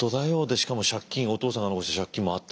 しかも借金お父さんが残した借金もあったんでしょ。